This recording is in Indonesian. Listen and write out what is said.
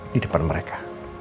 di depan mereka